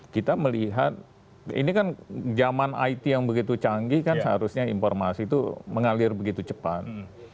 kita melihat ini kan zaman it yang begitu canggih kan seharusnya informasi itu mengalir begitu cepat